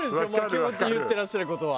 気持ち言ってらっしゃる事は。